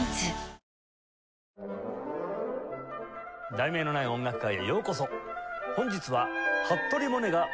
『題名のない音楽会』へようこそ。